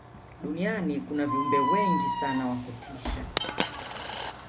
duniani kuna viumbe wengi sana wa kutisha